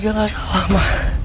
tidak nggak salah kan mah